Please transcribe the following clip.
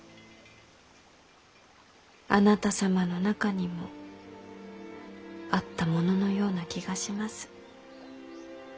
あなた様の中にもあったもののような気がします。